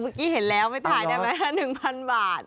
เมื่อกี้เห็นแล้วไม่ถ่ายได้ไหม๑๐๐๐บาท